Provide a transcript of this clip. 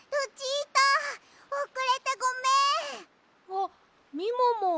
あっみもも。